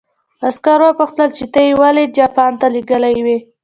عسکر وپوښتل چې ته یې ولې جاپان ته لېږلی وې